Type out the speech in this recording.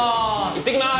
行ってきます！